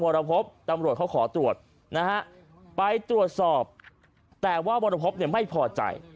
พบตำรวจเขาขอตรวจนะฮะไปตรวจสอบแต่ว่าวรพบเนี่ยไม่พอใจ